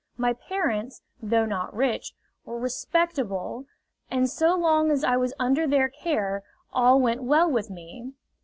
My parents, though not rich, were respectable, and so long as I was under their care all went well with me.